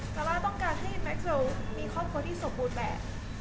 ซาร่าต้องการให้แม็กเซลมีครอบครัวที่สมบูรณ์แบบ